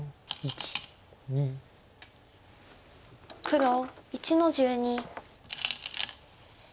黒１の十二。